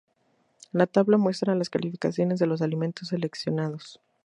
La tabla muestra las calificaciones de los alimentos seleccionados.